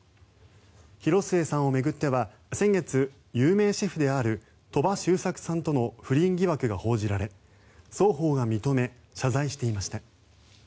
広末さんを巡っては先月有名シェフである鳥羽周作さんとの不倫疑惑が報じられ双方が認め謝罪していました。